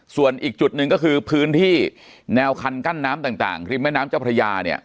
ส่วนอีกจุดหนึ่งก็คือพื้นที่แนวคันกั้นน้ำต่างริมแม่น้ำเจ้าพระยาเนี่ย